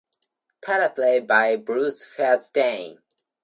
Teleplay by Bruce Feirstein.